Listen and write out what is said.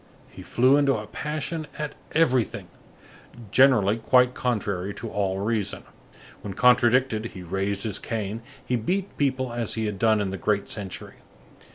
He flew into a passion at everything, generally quite contrary to all reason. When contradicted, he raised his cane; he beat people as he had done in the great century.